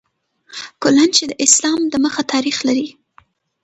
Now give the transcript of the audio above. کلا چې د اسلام د مخه تاریخ لري